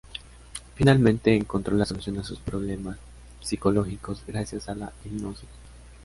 Finalmente encontró la solución a sus problemas psicológicos gracias a la hipnosis.